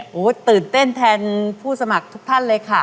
โอ้โหตื่นเต้นแทนผู้สมัครทุกท่านเลยค่ะ